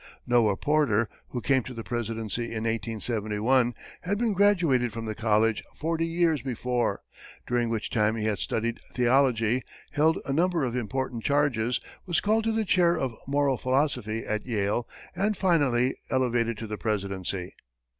Noah Porter, who came to the presidency in 1871, had been graduated from the college forty years before, during which time he had studied theology, held a number of important charges, was called to the chair of moral philosophy at Yale, and finally elevated to the presidency.